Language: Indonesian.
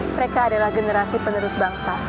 mereka adalah generasi penerus bangsa